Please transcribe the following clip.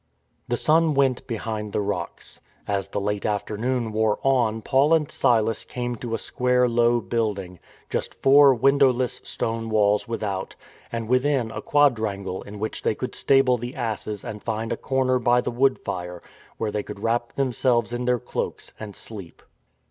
The sun went behind the rocks. As the late after noon wore on Paul and Silas came to a square low building; just four windowless stone walls without; and within a quadrangle in which they could stable the asses and find a corner by the wood fire where they could wrap themselves in their cloaks and sleep.